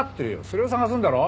それを捜すんだろ？